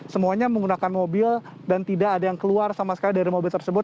semuanya menggunakan mobil dan tidak ada yang keluar sama sekali dari mobil tersebut